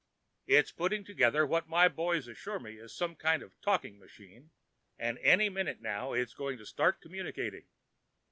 It's putting together what my boy assures me is some kind of talking machine, and any minute now it's going to start communicating.